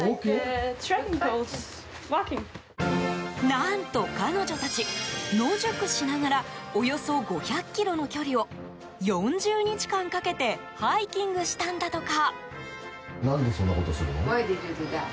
何と彼女たち、野宿しながらおよそ５００ｋｍの距離を４０日間かけてハイキングしたんだとか。